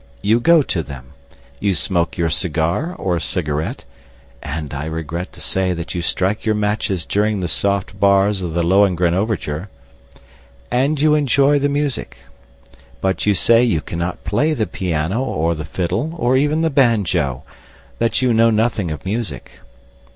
You go to them. You smoke your cigar or cigarette (and I regret to say that you strike your matches during the soft bars of the "Lohengrin" overture), and you enjoy the music. But you say you cannot play the piano or the fiddle, or even the banjo; that you know nothing of music.